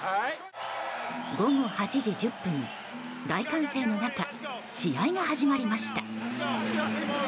午後８時１０分、大歓声の中試合が始まりました。